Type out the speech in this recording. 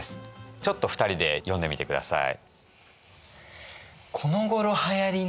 ちょっと２人で読んでみてください。